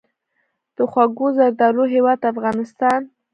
د خوږو زردالو هیواد افغانستان.